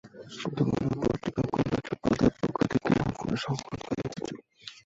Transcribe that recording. প্রথম আলো পত্রিকার গোল্লাছুট পাতার পক্ষ থেকে আপনার সাক্ষাৎকার নিতে চাই।